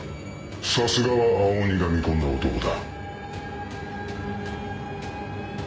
さすがは青鬼が見込んだ男だ。